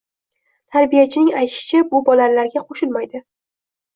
– Tarbiyachining aytishicha u bolalarga qo‘shilmaydi